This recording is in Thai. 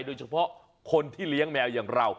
โดยเฉพาะคนที่เลี้ยงแมวอย่างเรา